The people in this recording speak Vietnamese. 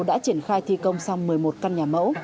đã triển khai thi công xong một mươi một căn nhà mẫu